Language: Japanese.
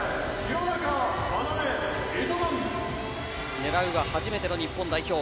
狙うは初めての日本代表。